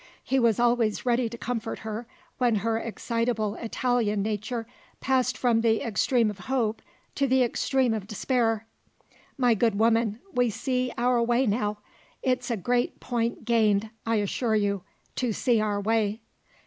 He was always ready to comfort her, when her excitable Italian nature passed from the extreme of hope to the extreme of despair. "My good woman, we see our way now: it's a great point gained, I assure you, to see our way."